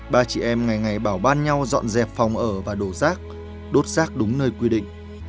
ba chị em ngày ngày bảo ban nhau dọn dẹp phòng ở và đổ rác đốt rác đúng nơi quy định